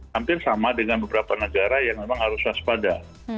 hampir sama dengan beberapa negara yang memang harus waspada